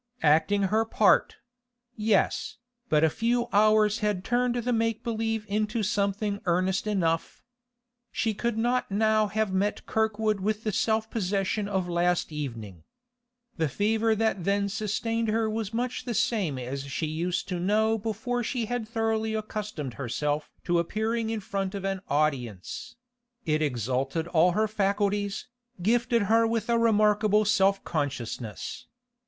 Acting her part; yes, but a few hours had turned the make believe into something earnest enough. She could not now have met Kirkwood with the self possession of last evening. The fever that then sustained her was much the same as she used to know before she had thoroughly accustomed herself to appearing in front of an audience; it exalted all her faculties, gifted her with a remarkable self consciousness.